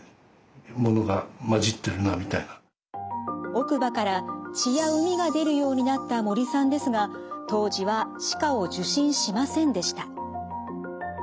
奥歯から血や膿が出るようになった森さんですが当時は歯科を受診しませんでした。